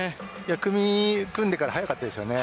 組を組んでから早かったですね。